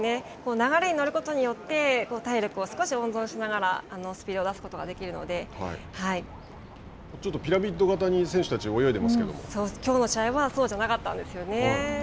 流れに乗ることによって体力を少し温存しながらちょっとピラミッド型に選手たきょうの試合はそうじゃなかったんですよね。